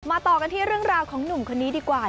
ต่อกันที่เรื่องราวของหนุ่มคนนี้ดีกว่า